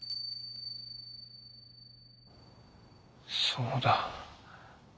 そうだ。